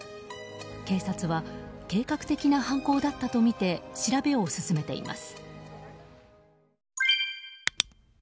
警察は計画的な犯行だったとみて調べを進めています。